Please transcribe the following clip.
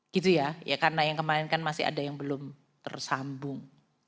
gitu ya karena yang kemarin kan masih ada yang belum tersambung